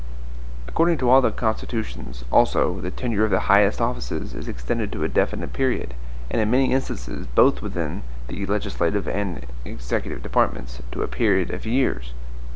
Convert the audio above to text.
According to all the constitutions, also, the tenure of the highest offices is extended to a definite period, and in many instances, both within the legislative and executive departments, to a period of years.